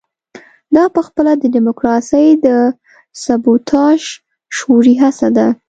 دا پخپله د ډیموکراسۍ د سبوتاژ شعوري هڅه ده.